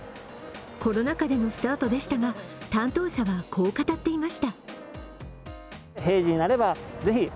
コロナ禍でのスタートでしたが担当者は、こう語っていました。